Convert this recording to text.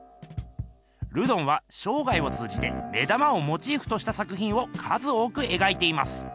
ルドンはしょうがいを通じて目玉をモチーフとした作ひんを数多く描いています。